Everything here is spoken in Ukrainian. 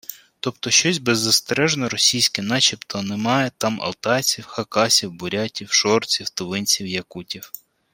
Тобто щось беззастережно російське, начебто немає там алтайців, хакасів, бурятів, шорців, тувинців, якутів…